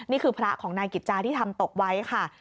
นี่คือพระของนายกิจจาที่ทำตกไว้ค่ะ